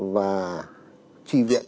và trì viện